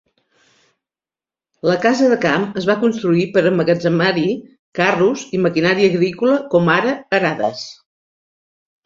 La casa de camp es va construir per emmagatzemar-hi carros i maquinària agrícola, com ara arades.